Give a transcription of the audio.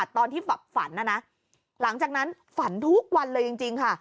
ตอนที่ฝันนะนะหลังจากนั้นฝันทุกวันเลยจริงค่ะ